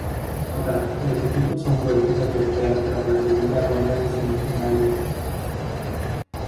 Nota: Los equipos son vueltos a sortear tras la segunda ronda y semifinales.